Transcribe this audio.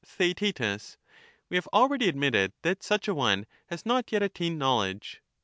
Theaet. We have already admitted that such a one has not yet attained knowledge.